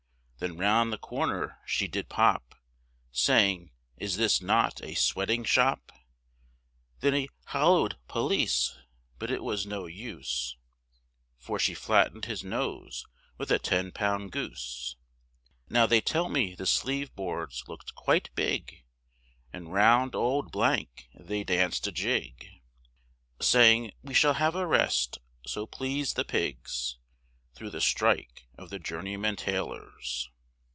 Then round the corner she did pop, Saying, is this not a sweating shop, Then he holloa'd police, but it was no use, For she flattened his nose with a ten pound goose, Now they tell me the sleeveboards looked quite big, And round old they danced a jig, Saying, we shall have a rest, so please the pigs Thro' the strike of the Journeymen Tailors.